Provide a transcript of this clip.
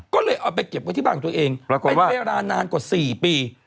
ก็เลยเอาไปเก็บไว้ที่บ้านของตัวเองเป็นเวลานานกว่า๔ปี